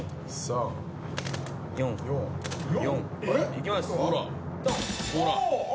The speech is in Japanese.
いきます。